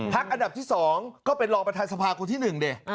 พักอัดับที่สองก็เป็นรองประธานสภาคนที่หนึ่ง